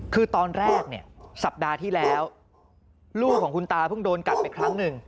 คือตอนแรกเนี่ยสัปดาห์ที่แล้วลูกของคุณตาเพิ่งโดนกัดไปครั้งหนึ่ง